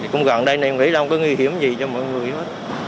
cũng gần đây em nghĩ là không có nguy hiểm gì cho mọi người hết